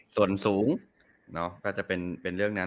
ส่วนสูงก็จะเป็นเรื่องนั้น